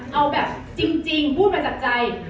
เอาแบบจริงพูดมาจากใจ